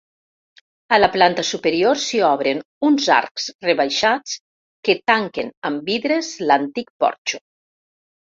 A la planta superior s'hi obren uns arcs rebaixats que tanquen amb vidres l'antic porxo.